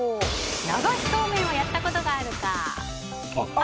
流しそうめんをやったことがあるか。